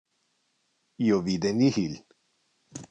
Io vide nihil.